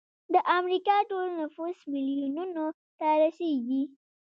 د امریکا ټول نفوس میلیونونو ته رسیږي.